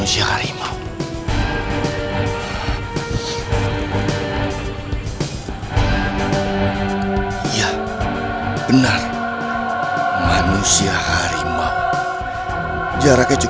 siapa sebenarnya harimau itu